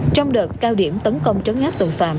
trong đợt cao điểm tấn công trấn áp tội phạm